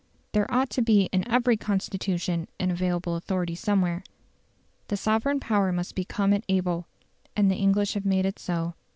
There ought to be in every Constitution an available authority somewhere. The sovereign power must be come at able. And the English have made it so.